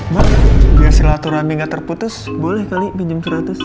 mak biar silaturahmi gak terputus boleh kali pinjam seratus